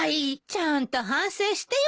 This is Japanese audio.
ちゃんと反省してよね。